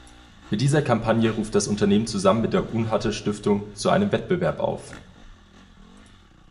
Mit dieser Kampagne ruft das Unternehmen zusammen mit der Unhate-Stiftung zu einem Wettbewerb auf.